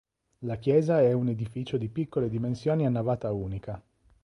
La chiesa è un edificio di piccole dimensioni a navata unica.